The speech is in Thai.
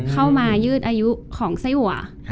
เข้ามายืดอายุของไส้หัว